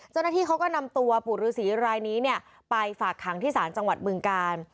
เจ้าหน้าที่เขาก็นำตัวปู่ฤษีรายนี้ไปฝากขังที่ศาลจังหวัดบึงกาล